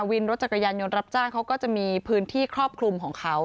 วินรถจักรยานยนต์รับจ้างเขาก็จะมีพื้นที่ครอบคลุมของเขา